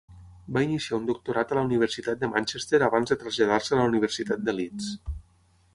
Va iniciar un doctorat a la Universitat de Manchester abans de traslladar-se a la Universitat de Leeds.